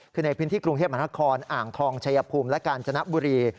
คือในพื้นที่กรุงเทพมหานครอ่างทองชายภูมิและกาญจนบุรี